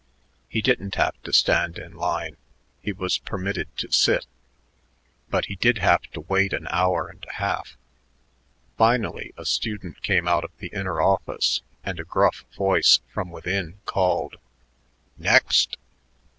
He didn't have to stand in line he was permitted to sit but he did have to wait an hour and a half. Finally a student came out of the inner office, and a gruff voice from within called, "Next!"